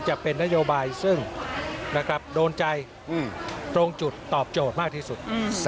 จะเป็นนโยบายซึ่งโดนใจตรงจุดตอบโจทย์มากที่สุด